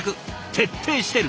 徹底してる。